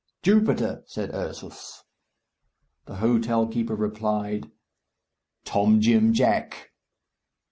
"Jupiter," said Ursus. The hotel keeper replied, "Tom Jim Jack!"